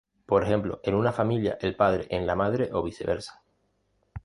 Por ejemplo en una familia el padre en la madre o viceversa.